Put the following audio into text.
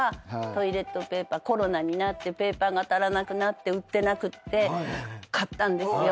コロナになってペーパーが足らなくなって売ってなくて買ったんですよ。